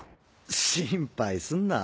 心配すんな。